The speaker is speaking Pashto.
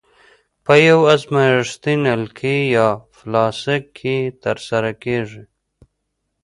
په یوې ازمایښتي نلکې یا فلاسک کې ترسره کیږي.